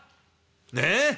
ねえ！